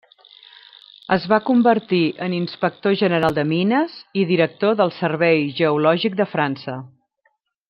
Es va convertir en inspector general de mines, i director del Servei Geològic de França.